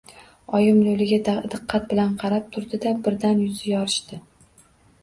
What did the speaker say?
Oyim lo‘liga diqqat bilan qarab turdi-da, birdan yuzi yorishdi.